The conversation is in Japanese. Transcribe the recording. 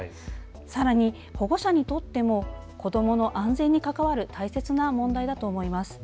さらに保護者にとっても子どもの安全に関わる大切な問題だと思います。